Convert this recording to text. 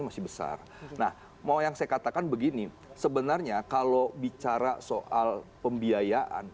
masih besar nah mau yang saya katakan begini sebenarnya kalau bicara soal pembiayaan